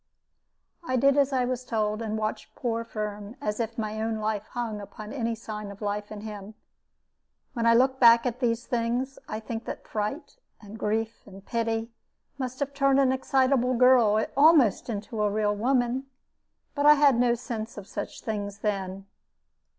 I did as I was told, and watched poor Firm as if my own life hung upon any sign of life in him. When I look back at these things, I think that fright and grief and pity must have turned an excitable girl almost into a real woman. But I had no sense of such things then.